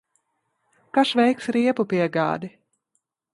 Kas veiks riepu piegādi?